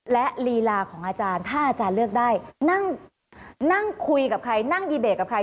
และลีลาของอาจารย์ถ้าอาจารย์เลือกได้นั่งคุยกับใครนั่งดีเบตกับใคร